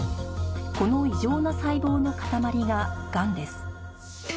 この異常な細胞のかたまりががんです